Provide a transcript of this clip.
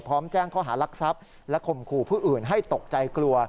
พร้อมแจ้งเขาหารักษัพและคุมคู่ผู้อื่นให้ตกใจกลัว